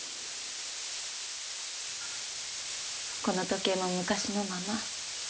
この時計も昔のまま。